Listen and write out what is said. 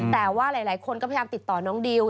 แต่ว่าหลายคนก็พยายามติดต่อน้องดิว